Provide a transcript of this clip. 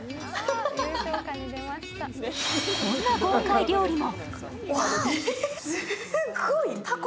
こんな豪快料理も。